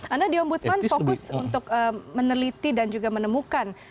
anda di ombudsman fokus untuk meneliti dan juga menemukan